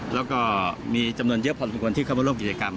แล้วก็มีจำนวนเยอะพอสมควรที่เข้ามาร่วมกิจกรรม